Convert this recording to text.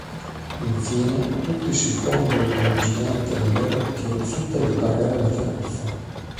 Infine, tutti si fondono in un gigante nero che rifiuta di pagare la tariffa.